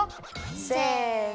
せの！